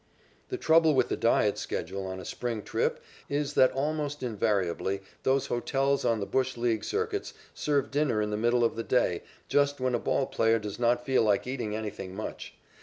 The trouble with the diet schedule on a spring trip is that almost invariably those hotels on the bush league circuits serve dinner in the middle of the day, just when a ball player does not feel like eating anything much.